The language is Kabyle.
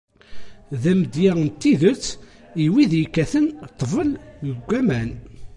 D amedya n tidet i wid yekkaten ṭṭbel deg waman.